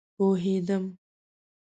پوهيدم